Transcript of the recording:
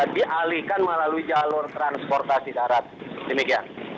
dialihkan melalui jalur transportasi darat demikian